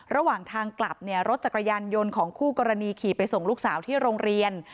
ระหว่างทางกลับเนี่ยรถจักรยานยนต์ของคู่กรณีขี่ไปส่งลูกสาวที่โรงเรียน